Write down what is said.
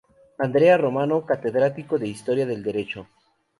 Andrea Romano, Catedrático de Historia del Derecho.